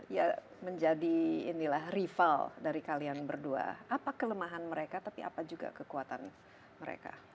ya menjadi inilah rival dari kalian berdua apa kelemahan mereka tapi apa juga kekuatan mereka